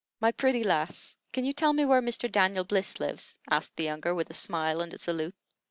"My pretty lass, can you tell me where Mr. Daniel Bliss lives?" asked the younger, with a smile and a salute.